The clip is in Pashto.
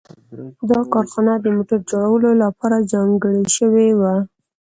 دا کارخانه د موټر جوړولو لپاره ځانګړې شوې وه